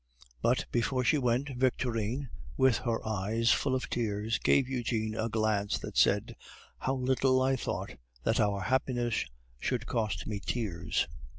But before she went, Victorine, with her eyes full of tears, gave Eugene a glance that said "How little I thought that our happiness should cost me tears!"